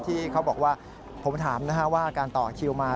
ที่เขาบอกว่าผมถามว่าการต่อคิวมา